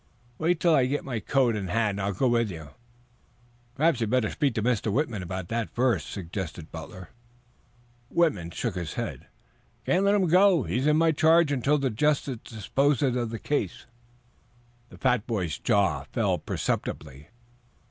"Wait till I get my coat and hat and I'll go with you." "Perhaps you had better speak to Mr. Whitman about that first," suggested Butler. Whitman shook his head. "Can't let him go. He's in my charge until the justice disposes of the case." The fat boy's jaw fell perceptibly.